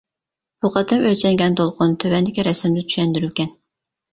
بۇ قېتىم ئۆلچەنگەن دولقۇن تۆۋەندىكى رەسىمدە چۈشەندۈرۈلگەن.